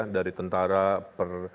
dari tentara per